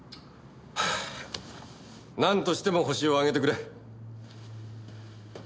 なんとしてもホシを挙げてくれ。